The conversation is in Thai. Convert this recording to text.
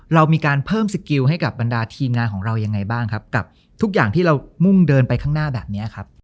เรามีการเพิ่มสกิลให้กับบรรดาทีมงานของเรายังไงบ้างครับกับทุกอย่างที่เรามุ่งเดินไปข้างหน้าแบบนี้ครับ